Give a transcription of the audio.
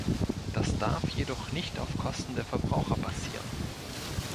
Das darf jedoch nicht auf Kosten der Verbraucher passieren.